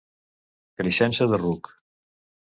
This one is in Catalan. Creixença de ruc.